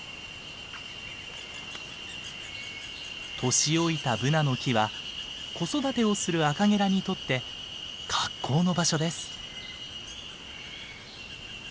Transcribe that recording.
年老いたブナの木は子育てをするアカゲラにとって格好の場所です。